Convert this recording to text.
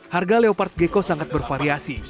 harga leopard gecko sangat bervariasi